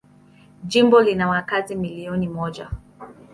Jimbo lina wakazi milioni moja.